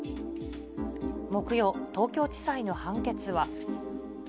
木曜、東京地裁の判決は。